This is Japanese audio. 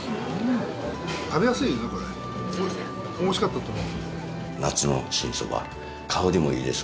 美味しかったと思う。